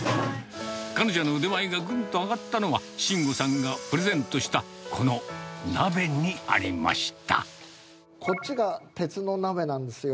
彼女の腕前がぐんと上がったのは、伸吾さんがプレゼントした、こっちが、鉄の鍋なんですよ。